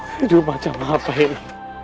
hidup macam apa ini